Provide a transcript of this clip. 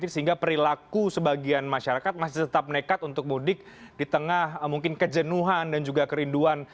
sehingga perilaku sebagian masyarakat masih tetap nekat untuk mudik di tengah mungkin kejenuhan dan juga kerinduan